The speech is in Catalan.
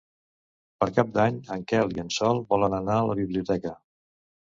Per Cap d'Any en Quel i en Sol volen anar a la biblioteca.